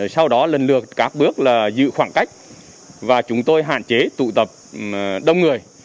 sau đó lần lượt các bước là giữ khoảng cách và chúng tôi hạn chế tụ tập đông người